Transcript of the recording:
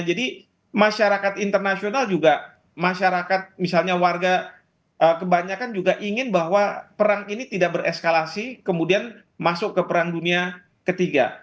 jadi masyarakat internasional juga masyarakat misalnya warga kebanyakan juga ingin bahwa perang ini tidak bereskalasi kemudian masuk ke perang dunia ketiga